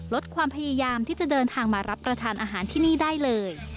ลดความพยายามที่จะเดินทางมารับประทานอาหารที่นี่ได้เลย